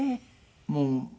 もう。